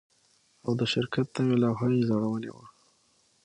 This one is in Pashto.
او د شرکت نوې لوحه یې ځړولې وه